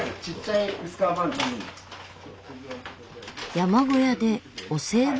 山小屋でお歳暮？